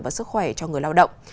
và sức khỏe cho người lao động